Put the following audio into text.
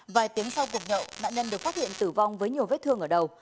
vài tiếng sau cuộc nhậu nạn nhân được phát hiện tử vong với nhiều vết thương ở đầu